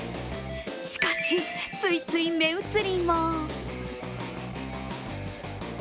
しかし、ついつい目移りも。